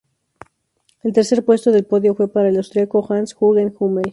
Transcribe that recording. El tercer puesto del podio fue para el austríaco Hans-Jürgen Hummel.